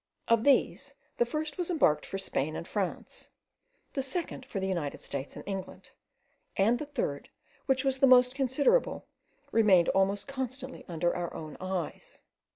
Of these, the first was embarked for Spain and France, the second for the United States and England, and the third, which was the most considerable, remained almost constantly under our own eyes.